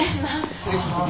失礼します。